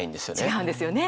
違うんですよね。